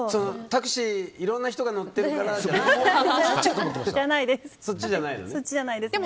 タクシー、いろんな人が乗ってるからじゃなくて。